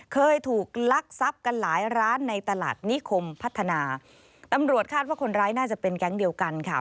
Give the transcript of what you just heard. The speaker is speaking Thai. เคยถูกลักทรัพย์กันหลายร้านในตลาดนิคมพัฒนาตำรวจคาดว่าคนร้ายน่าจะเป็นแก๊งเดียวกันค่ะ